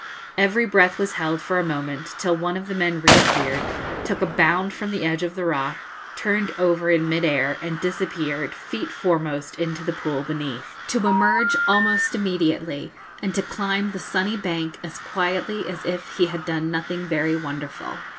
Every breath was held for a moment, till one of the men reappeared, took a bound from the edge of the rock, turned over in mid air, and disappeared feet foremost into the pool beneath, to emerge almost immediately, and to climb the sunny bank as quietly as if he had done nothing very wonderful.